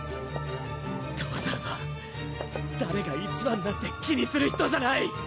父さんは誰が一番なんて気にする人じゃない！